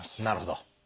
なるほど。